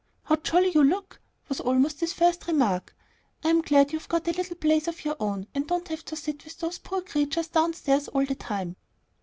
"How jolly you look!" was almost his first remark. "I'm glad you've got a little place of your own, and don't have to sit with those poor creatures downstairs all the time."